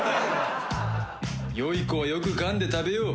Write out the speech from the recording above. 良い子はよくかんで食べよう